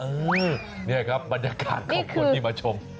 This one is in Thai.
เออนี่ครับบรรยากาศของคนที่มาชม